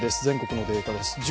全国のデータです。